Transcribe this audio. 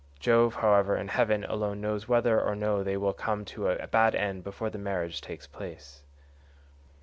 Jove, however, in heaven alone knows whether or no they will come to a bad end before the marriage takes place."